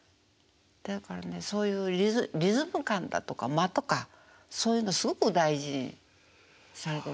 だからねそういうリズム感だとか間とかそういうのすごく大事にされてる方。